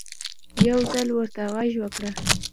يو ځل ورته غږ وکړه